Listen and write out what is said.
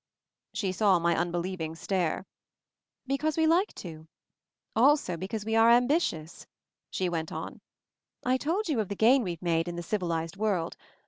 She saw my unbelieving stare. "Be cause we like to. Also because we are am bitious," she went on. "I told you of the gain we've made in 'the civilized world.'